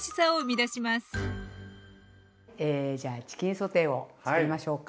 じゃあチキンソテーをつくりましょうか。